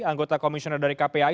anggota komisioner dari kpi